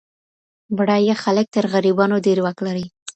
بډايه خلګ تر غريبانو ډېر واک لري.